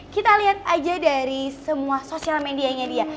kita lihat aja dari semua sosial medianya dia